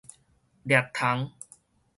掠蟲